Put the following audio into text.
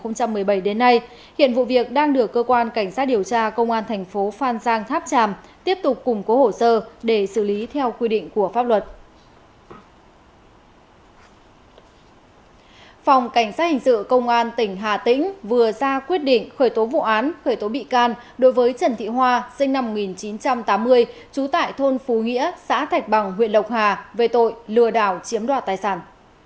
phòng cảnh sát hình sự công an tỉnh hà tĩnh vừa ra quyết định khởi tố vụ án khởi tố bị can đối với trần thị hoa sinh năm một nghìn chín trăm tám mươi trú tại thôn phú nghĩa xã thạch bằng huyện lộc hà về tội lừa đảo chiếm đoạt tài sản